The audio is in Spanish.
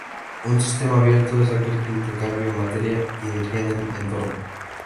Un sistema abierto es aquel que intercambia materia y energía con el entorno.